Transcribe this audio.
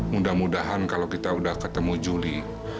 mudah mudahan kalau kita sudah ketemu juli